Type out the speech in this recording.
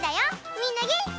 みんなげんき？